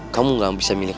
kamu gak bisa milih aku